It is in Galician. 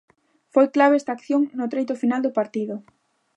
Foi clave esta acción no treito final do partido.